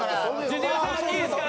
ジュニアさんいいですか？